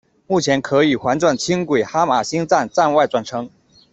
目前可与环状轻轨哈玛星站站外转乘。